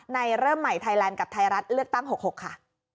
เริ่มใหม่ไทยแลนด์กับไทยรัฐเลือกตั้ง๖๖ค่ะ